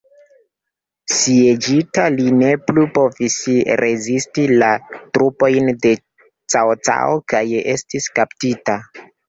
Sieĝita li ne plu povis rezisti la trupojn de Cao Cao kaj estis kaptita.